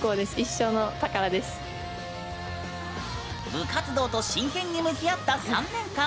部活動と真剣に向き合った３年間。